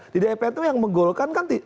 di dpr itu yang menggolkan kan